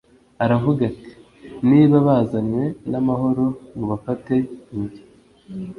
Aravuga ati “Niba bazanywe n’amahoro mubafate mpiri”